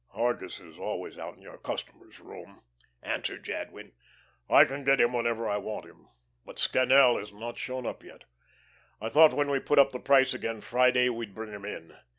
"Hargus is always out in your customers' room," answered Jadwin. "I can get him whenever I want him. But Scannel has not shown up yet. I thought when we put up the price again Friday we'd bring him in.